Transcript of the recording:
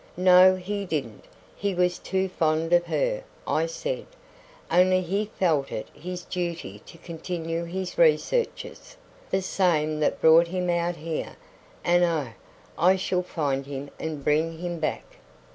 "No, he didn't; he was too fond of her," I said; "only he felt it his duty to continue his researches, the same that brought him out here, and oh, I shall find him and bring him back."